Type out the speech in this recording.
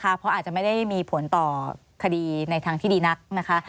เพราะอาจจะไม่ได้มีผลต่อคดีในทางที่ดีนักนะคะ